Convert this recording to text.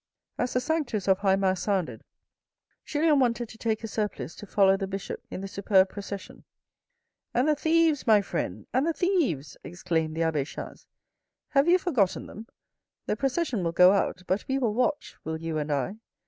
As the sanctus of high mass sounded, Julien wanted to take a surplice to follow the bishop in the superb procession " And the thieves, my friend ! And the thieves," exclaimed the abbe Chas. " Have you forgotten them ? The procession will go out, but we will watch, will you and I.